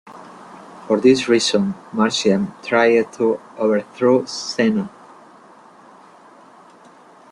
For this reason Marcian tried to overthrow Zeno.